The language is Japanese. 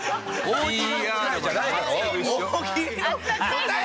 おい！